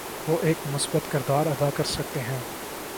وہ ایک مثبت کردار ادا کرسکتے ہیں۔